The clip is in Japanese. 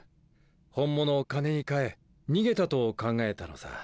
本物を金に換え逃げたと考えたのさ。